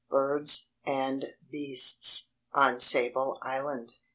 *BIRDS AND BEASTS ON SABLE ISLAND.